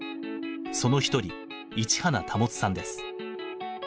その一人市花保さんです。